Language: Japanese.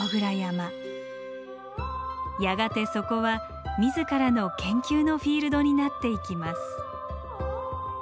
やがてそこは自らの研究のフィールドになっていきます。